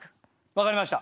分かりました。